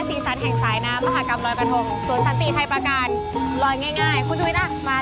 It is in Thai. สีสันแห่งสายน้ำมหากรรมรอยกระทงสวนสันตีชัยประการ